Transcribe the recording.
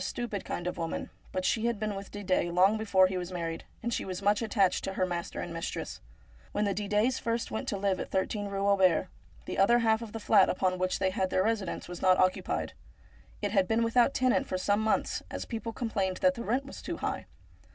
stupid kind of woman ; but she had been with Didet long before he was married, and she was much attached to her master and mistress. When the Didets first went to live at 13 Eue Auber, the other half of the flat upon which they had their residence was not occupied. It had been without a tenant for some months, as people complained that the rent was too high.